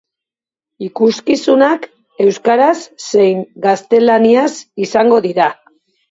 Ikuskizunak euskaraz zein gaztelaniaz izango dira.